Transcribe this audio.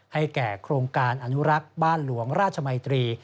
ให้แก่โครงการอนุรักษ์บ้านหลวงราชมัยตรี